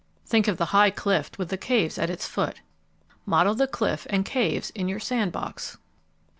_ Think of the high cliff with the caves at its foot. _Model the cliff and caves in your sand box.